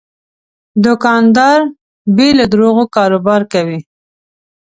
دوکاندار بې له دروغو کاروبار کوي.